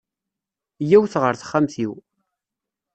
Iyyawet ɣer texxamt-iw.